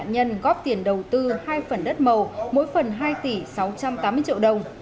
nhân góp tiền đầu tư hai phần đất màu mỗi phần hai tỷ sáu trăm tám mươi triệu đồng